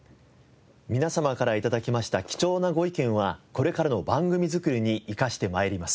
皆様から頂きました貴重なご意見はこれからの番組作りに生かして参ります。